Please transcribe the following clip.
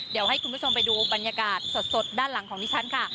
เดี๋ยวให้คุณผู้ชมไปดูบรรยากาศสดด้านหลังของดิฉันค่ะ